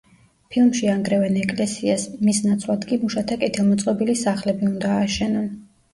ფილმში ანგრევენ ეკლესიას, მის ნაცვლად კი მუშათა კეთილმოწყობილი სახლები უნდა ააშენონ.